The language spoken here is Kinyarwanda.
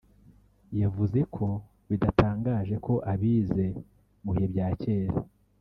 yavuze ko bidatangaje ko abize mu bihe bya kera